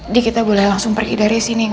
di kita boleh langsung pergi dari sini